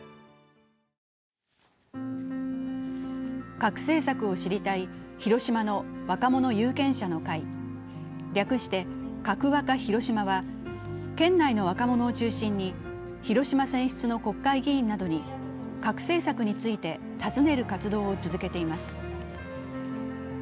核政策を知りたい広島の若者有権者の会、略してカクワカ広島は県内の若者を中心に広島選出の国会議員などに各政策などについて尋ねる活動を続けています。